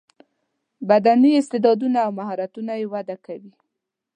بدني استعداونه او مهارتونه یې وده کوي.